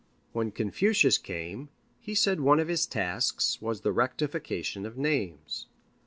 When Confucius came, he said one of his tasks was the rectification of names.